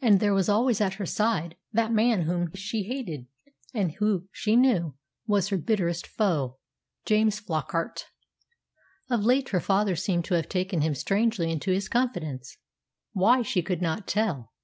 And there was always at her side that man whom she hated, and who, she knew, was her bitterest foe James Flockart. Of late her father seemed to have taken him strangely into his confidence. Why, she could not tell.